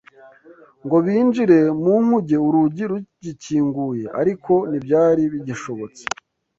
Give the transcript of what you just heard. ngo binjire mu nkuge urugi rugikinguye! Ariko ntibyari bigishobotse